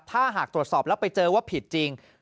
ถ้าหากตรวจสอบแล้วไปเจอว่าผิดจริง